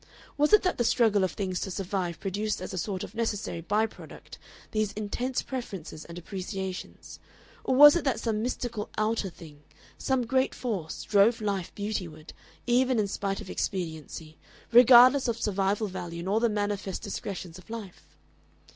Was it that the struggle of things to survive produced as a sort of necessary by product these intense preferences and appreciations, or was it that some mystical outer thing, some great force, drove life beautyward, even in spite of expediency, regardless of survival value and all the manifest discretions of life?